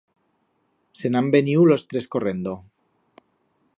Se'n han veniu los tres correndo